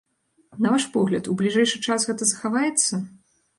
На ваш погляд, у бліжэйшы час гэта захаваецца?